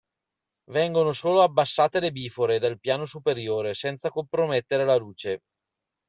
Vengono solo abbassate le bifore del piano superiore, senza compromettere la luce.